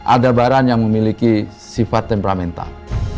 aldabaran yang memiliki sifat temperamental